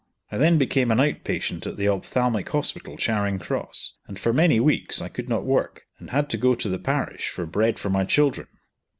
I then became an outpatient at the Ophthalmic Hospital, Charing Cross; and for many weeks I could not work, and had to go to the parish for bread for my children.